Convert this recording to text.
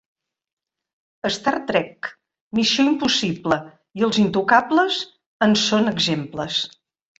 "Star Trek", "Missió impossible" i "Els intocables" en són exemples.